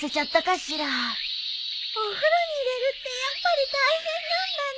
お風呂に入れるってやっぱり大変なんだね。